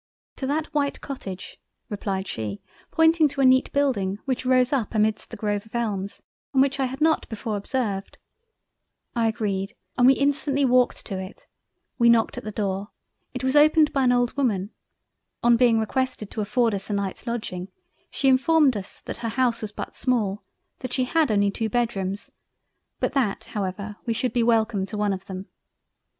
"To that white Cottage." (replied she pointing to a neat Building which rose up amidst the grove of Elms and which I had not before observed—) I agreed and we instantly walked to it—we knocked at the door—it was opened by an old woman; on being requested to afford us a Night's Lodging, she informed us that her House was but small, that she had only two Bedrooms, but that However we should be wellcome to one of them.